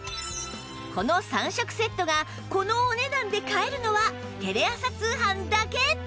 この３色セットがこのお値段で買えるのはテレ朝通販だけ！